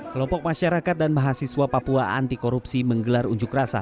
kelompok masyarakat dan mahasiswa papua anti korupsi menggelar unjuk rasa